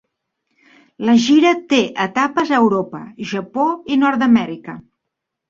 La gira té etapes a Europa, Japó i Nord-Amèrica.